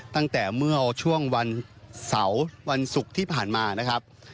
ตั้งแต่เมื่อช่วงวันเสาร์วันศุกร์ที่ผ่านมานะครับ